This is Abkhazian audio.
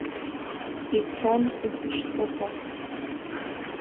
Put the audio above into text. Ицон ихышхыҵәан!